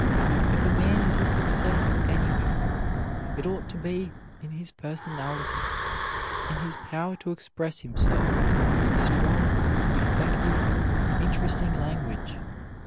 If a man is a success anywhere, it ought to be in his personality, in his power to express himself in strong, effective, interesting language.